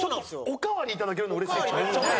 おかわりいただけるのうれしいですね。